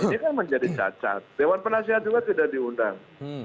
ini kan menjadi cacat dewan penasihat juga tidak diundang